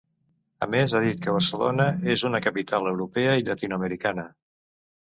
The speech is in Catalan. A més, ha dit que Barcelona és una ‘capital europea i llatinoamericana’.